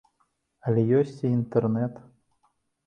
Але ёсць і інтэрнэт.